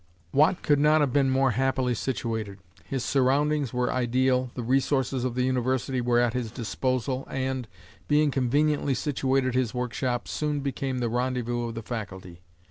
Watt could not have been more happily situated. His surroundings were ideal, the resources of the university were at his disposal, and, being conveniently situated, his workshop soon became the rendezvous of the faculty.